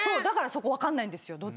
だから分かんないんですよ。